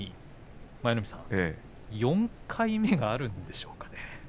舞の海さん、４回目があるんでしょうか。